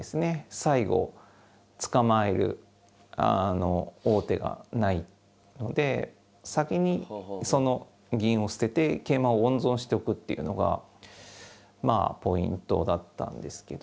最後捕まえる王手がないので先にその銀を捨てて桂馬を温存しとくっていうのがまあポイントだったんですけど。